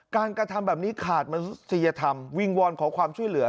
กระทำแบบนี้ขาดมนุษยธรรมวิงวอนขอความช่วยเหลือ